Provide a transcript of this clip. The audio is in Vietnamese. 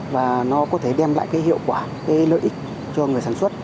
và nó có thể đem lại hiệu quả lợi ích cho người sản xuất